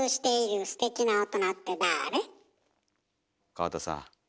川田さん。